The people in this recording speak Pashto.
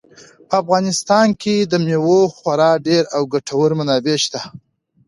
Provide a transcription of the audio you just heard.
په افغانستان کې د مېوو خورا ډېرې او ګټورې منابع شته.